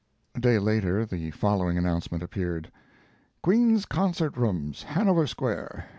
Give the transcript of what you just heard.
A day later the following announcement appeared: QUEEN'S CONCERT ROOMS, HANOVER SQUARE.